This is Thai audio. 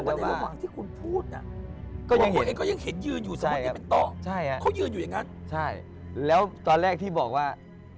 บ๊วย้แสดงว่ามึงที่คุณพูดก็ยังมันเห็นยื่นอยู่สมมตินร์ต้องเขายื่นอยู่อย่างนั้น